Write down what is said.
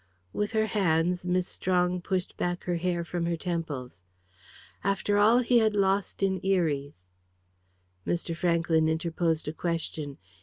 With her hands Miss Strong pushed back her hair from her temples. "After all he had lost in Eries " Mr. Franklyn interposed a question.